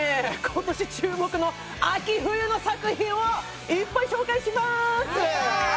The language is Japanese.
今年注目の秋冬の作品をいっぱい紹介しますイエーイ！